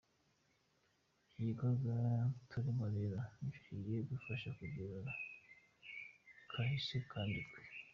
Iki gikorwa turimwo rero nico kigiye gufasha kugira kahise kandikwe.